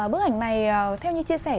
bức ảnh này theo như chia sẻ